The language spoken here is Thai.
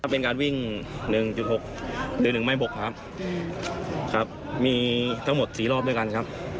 เป็นการวิ่ง๑๖หรือ๑ไม้บกครับครับมีทั้งหมด๔รอบด้วยกันครับ